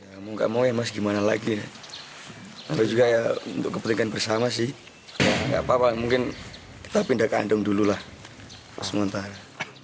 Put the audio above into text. ya mau gak mau ya mas gimana lagi kalau juga ya untuk kepentingan bersama sih gak apa apa mungkin kita pindah kandung dulu lah sementara